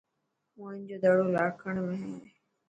موهن جو دڙو لاڻڪاڻي ۾ هي.